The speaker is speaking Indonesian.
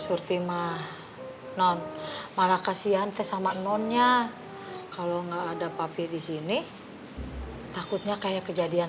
surtimah non malah kasihan teh sama nonnya kalau enggak ada pabrik di sini takutnya kayak kejadian